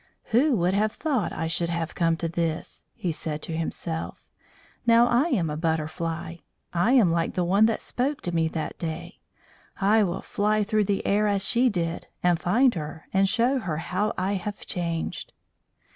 "Who would have thought I should have come to this?" he said to himself. "Now I am a Butterfly. I am like the one that spoke to me that day. I will fly through the air as she did, and find her, and show her how I have changed."